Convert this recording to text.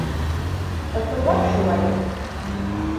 Ысынлап шулаймы?